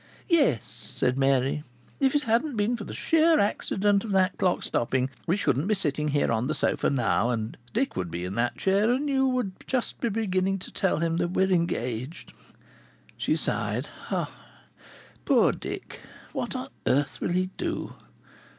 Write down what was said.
"Yes," said Mary. "If it hadn't been for the sheer accident of that clock stopping, we shouldn't be sitting here on this sofa now, and Dick would be in that chair, and you would just be beginning to tell him that we are engaged." She sighed. "Poor Dick! What on earth will he do?"